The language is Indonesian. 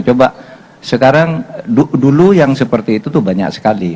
coba sekarang dulu yang seperti itu tuh banyak sekali